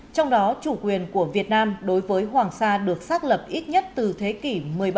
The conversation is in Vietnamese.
trong đó chủ quyền của việt nam đối với hoàng sa được xác lập ít nhất từ thế kỷ một mươi bảy